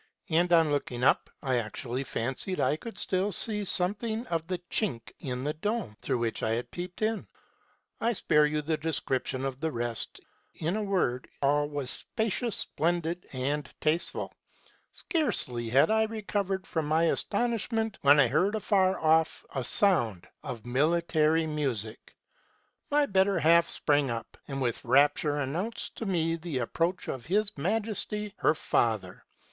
And, on looking up, I actually fancied I could still see something of the chink in the dome, through which I had peeped in. I spare you the description of the rest : in a word, all was spacious, splendid, and tasteful. Scarcely had I recovered from my astonishment, when I heard afar off a sound of military music. My better half sprang up, and with rapture announced to me the approach of his Majesty her father.